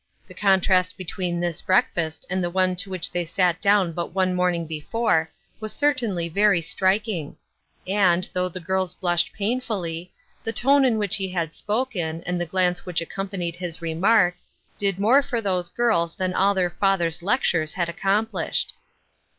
The contrast between this break fast and the one to which they sat down but the morning before was certainly very striking And, though the girls blushed painfully, the tone in which he had spoken, and the glance which a3companied his remark, did more for those daughters than all their father's lectures had accomphshed.